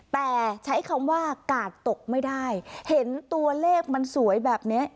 แต่ใช้คำว่ากาดตกไม่ได้เห็นตัวเลขมันสวยแบบนี้